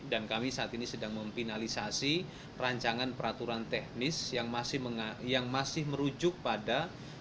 dan kami saat ini sedang mempinalisasi rancangan peraturan teknis yang masih merujuk pada